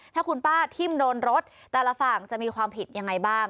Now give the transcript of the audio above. ถ้าคุณป้าทิ่มโดนรถแต่ละฝั่งจะมีความผิดยังไงบ้าง